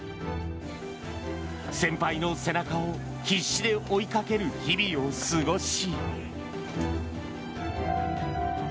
先輩の背中を必死で追いかける日々を過ごし。